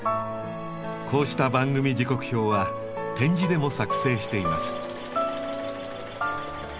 こうした番組時刻表は点字でも作成しています。